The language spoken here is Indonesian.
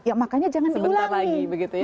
ya makanya jangan sebentar lagi begitu ya